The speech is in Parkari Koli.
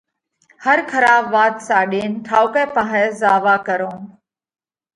هر کراٻ وات ساڏينَ ٺائُوڪئہ پاهئہ زاوا ڪرونه۔